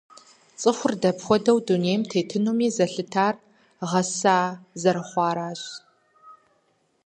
ЦӀыхур дапхуэдэу дунейм тетынуми зэлъытар гъэса зэрыхъуаращ.